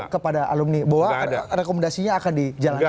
kepada alumni bahwa rekomendasinya akan dijalankan